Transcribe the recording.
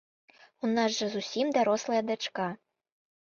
У нас жа зусім дарослая дачка.